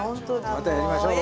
またやりましょう。